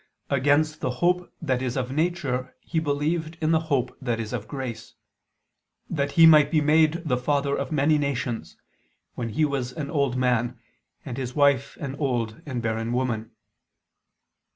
against the hope that is of nature he believed in the hope that is of grace, "that he might be made the father of many nations," when he was an old man, and his wife an old and barren woman.